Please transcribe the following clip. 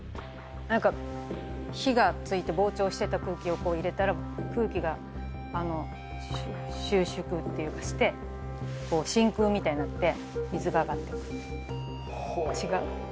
何か火がついて膨張してた空気を入れたら空気が収縮っていうかして真空みたいになって水が上がってくる違う？